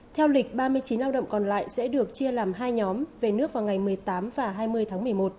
theo lịch ba mươi chín lao động còn lại sẽ được chia làm hai nhóm về nước vào ngày một mươi tám và hai mươi tháng một mươi một